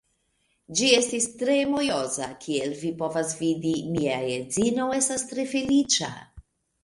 Ĝi estis tre mojosa kiel vi povas vidi, mia edzino estas tre feliĉa